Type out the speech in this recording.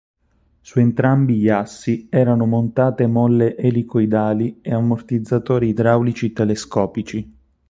Su entrambi gli assi erano montate molle elicoidali e ammortizzatori idraulici telescopici.